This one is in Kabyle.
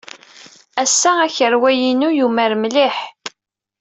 Ass-a, akerwa-inu yumar mliḥ.